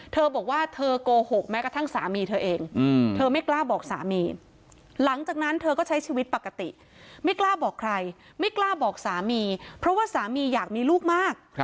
เธอบอกว่าเธอโกหกแม้กระทั่งสามีเธอเองเธอไม่กล้าบอกสามีหลังจากนั้นเธอก็ใช้ชีวิตปกติไม่กล้าบอกใครไม่กล้าบอกสามีเพราะว่าสามีอยากมีลูกมาก